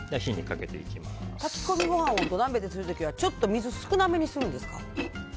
炊き込みご飯を土鍋でする時はちょっと水少なめにするんですか？